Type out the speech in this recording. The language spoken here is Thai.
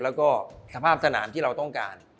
แล้วก็สภาพสนามที่เราต้องการ